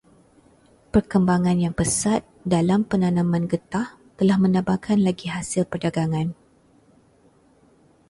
Perkembangan yang pesat dalam penanaman getah telah menambahkan lagi hasil perdagangan.